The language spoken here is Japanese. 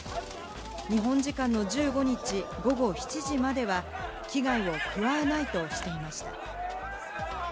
日本時間の１５日午後７時までは危害を加えないとしていました。